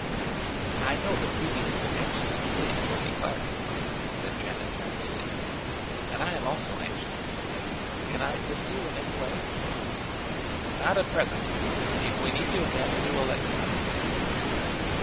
"I know that Phoebe has been anxious to save Toby Clark," said Janet earnestly; "and I am also anxious. Can I assist you in any way?" "Not at present. If we need you again we will let you know."